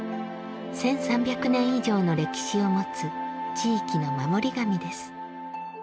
１，３００年以上の歴史を持つ地域の守り神です。